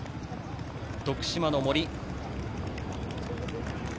徳島の森。